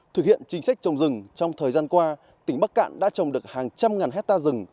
thực hiện chính sách trồng rừng trong thời gian qua tỉnh bắc cạn đã trồng được hàng trăm ngàn hectare rừng